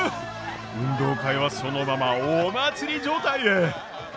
運動会はそのままお祭り状態へ。